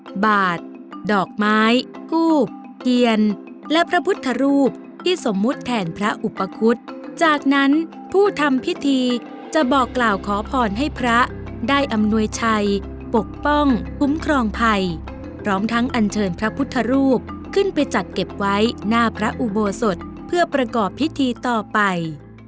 บาทดอกไม้กูบเทียนและพระพุทธรูปที่สมมุติแทนพระอุปคุฎจากนั้นผู้ทำพิธีจะบอกกล่าวขอพรให้พระได้อำนวยชัยปกป้องคุ้มครองภัยพร้อมทั้งอันเชิญพระพุทธรูปขึ้นไปจัดเก็บไว้หน้าพระอุโบสถเพื่อประกอบพิธีต่อไป